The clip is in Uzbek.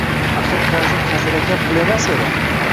Axir qarzim hazilakam pul emas edi